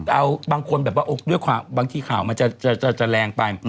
เอาบางคนแบบว่าด้วยความบางทีข่าวมันจะแรงไป